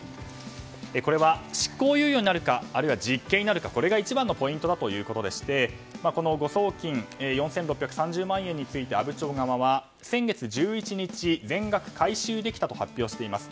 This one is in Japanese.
これは執行猶予になるかあるいは実刑になるかこれが一番のポイントだということでして誤送金４６３０万円について阿武町側は先月１１日全額回収できたと発表しています。